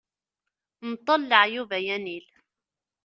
Nṭel leɛyub, ay anil.